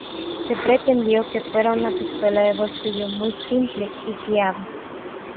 Se pretendió que fuera una pistola de bolsillo muy simple y fiable.